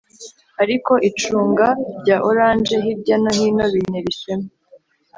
ariko icunga rya orange hirya no hino bintera ishema.